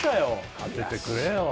当ててくれよ